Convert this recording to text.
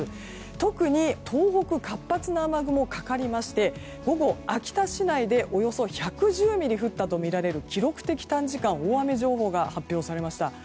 特に東北に活発な雨雲がかかりまして午後、秋田市内でおよそ１１０ミリ降ったとみられる記録的短時間大雨情報が発表されました。